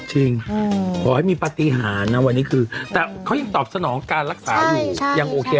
ขอให้มีปฏิหารนะวันนี้คือแต่เขายังตอบสนองการรักษาอยู่ยังโอเค